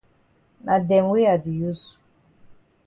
Na dem wey I di use.